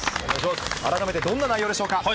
改めてどんな内容でしょうか。